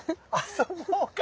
遊ぼうか。